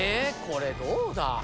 これどうだ？